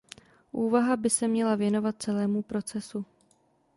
Úvaha by se měla věnovat celému procesu.